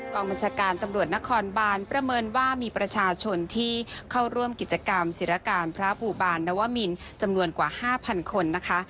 บัญชาการตำรวจนครบานประเมินว่ามีประชาชนที่เข้าร่วมกิจกรรมศิลการพระภูบาลนวมินจำนวนกว่า๕๐๐คนนะคะ